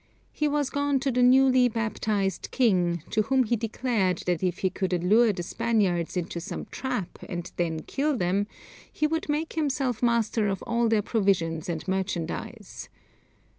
He was gone to the newly baptized king, to whom he declared that if he could allure the Spaniards into some trap and then kill them, he would make himself master of all their provisions and merchandise.